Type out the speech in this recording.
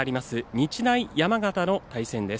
日大山形の対戦です。